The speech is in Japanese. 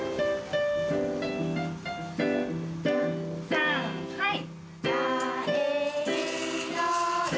さんはい！